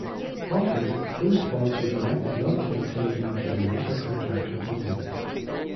Often, those sponsors elected not to continue after their initial contracts were completed.